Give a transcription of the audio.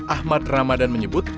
ahmad ramadan menyebut